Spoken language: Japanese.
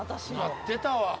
なってたわ。